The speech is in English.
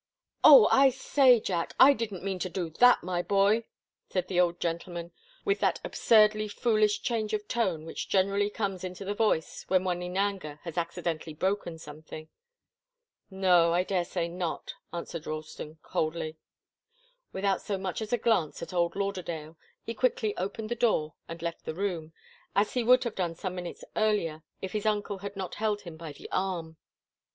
"Oh, I say, Jack! I didn't mean to do that, my boy!" said the old gentleman, with that absurdly foolish change of tone which generally comes into the voice when one in anger has accidentally broken something. "No I daresay not," answered Ralston, coldly. Without so much as a glance at old Lauderdale, he quickly opened the door and left the room, as he would have done some minutes earlier if his uncle had not held him by the arm.